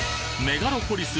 メガロポリス